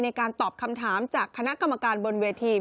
ในการตอบคำถามจากคณะกรรมการบนเวที